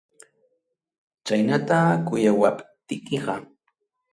Chaynata kuyawaptikiqa.